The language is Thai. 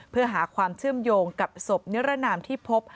เพื่อหาความเชื่อมโยงกับศพนิรนามที่พบ